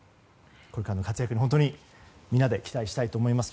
これからの活躍にみんなで期待したいと思います。